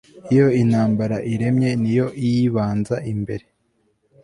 iyo intambara iremye niyo iyibanza imbere